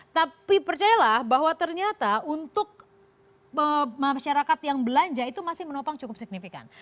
tapi percayalah bahwa ternyata untuk masyarakat yang belanja itu masih menopang cukup signifikan